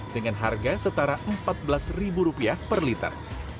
dengan harga setara empat belas rupiah per liter